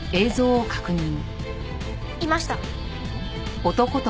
いました！